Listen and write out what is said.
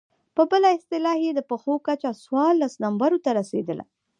په بله اصطلاح يې د پښو کچه څوارلس نمبرو ته رسېدله.